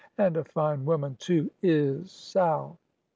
And a fine woman, too, is Sal!"